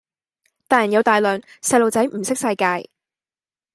大人有大量，細路仔唔識世界